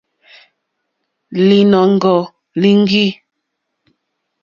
Lìnɔ̀ŋɡɔ̀ líŋɡî.